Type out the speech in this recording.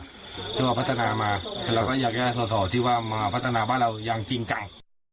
ซึ่งเราพัฒนามาเราก็อยากจะให้สอสอที่ว่ามาพัฒนาบ้านเราอย่างจริงจัง